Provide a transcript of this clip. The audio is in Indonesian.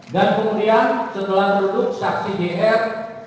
dan kemudian setelah duduk saksi gr